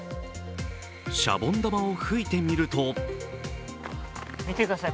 しゃぼん玉を吹いてみると見てください